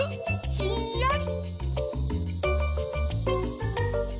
ひんやり。